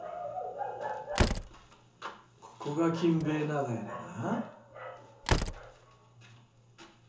ここが金兵衛長屋だな？